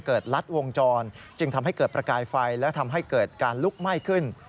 ลัดวงจรจึงทำให้เกิดประกายไฟและทำให้เกิดการลุกไหม้ขึ้น